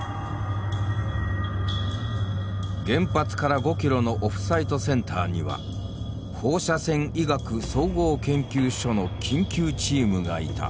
原発から５キロのオフサイトセンターには放射線医学総合研究所の緊急チームがいた。